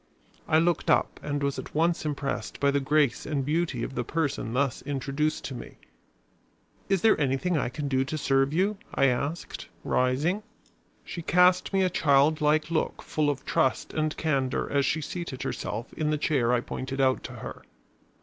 I looked up and was at once impressed by the grace and beauty of the person thus introduced to me. "Is there anything I can do to serve you?" I asked, rising. She cast me a child like look full of trust and candor as she seated herself in the chair I pointed out to her.